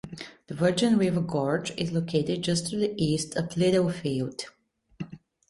The Virgin River Gorge is located just to the east of Littlefield.